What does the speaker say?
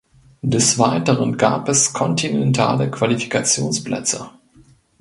Des Weiteren gab es kontinentale Qualifikationsplätze.